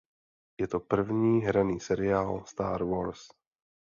Je to první hraný seriál "Star Wars".